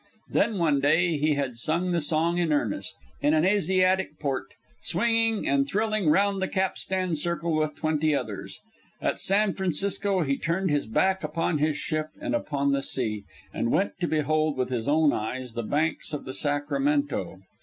Then one day he had sung the song in earnest, in an Asiatic port, swinging and thrilling round the capstan circle with twenty others. And at San Francisco he turned his back upon his ship and upon the sea, and went to behold with his own eyes the banks of the Sacramento.